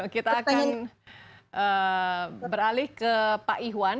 kita akan beralih ke pak iwan